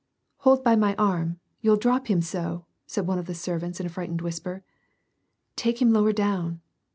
" Hold by my arm ! You'll drop him so," said one of the servants in a frightened whisper. "Take him lower down